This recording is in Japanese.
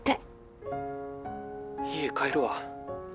家帰るわ。